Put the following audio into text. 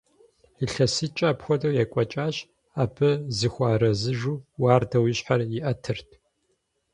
ИлъэситӀкӀэ апхуэдэу екӀуэкӀащ, абы зыхуэарэзыжу уардэу и щхьэр иӀэтырт.